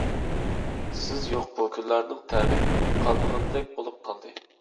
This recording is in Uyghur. سىز يوق بۇ كۈنلەرنىڭ تەمى قالمىغاندەك بولۇپ قالدى.